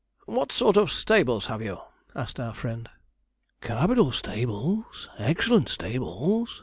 'What sort of stables have you?' asked our friend. 'Capital stables excellent stables!'